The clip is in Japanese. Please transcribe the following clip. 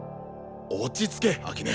落ち着け秋音。